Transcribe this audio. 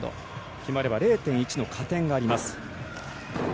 決まれば０．１の加点があります。